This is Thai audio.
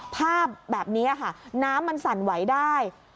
ภาพแบบนี้ค่ะน้ำมันสั่นไหวได้